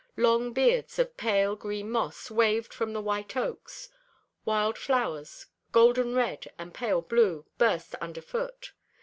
Long beards of pale green moss waved from the white oaks, wild flowers, golden red and pale blue, burst underfoot.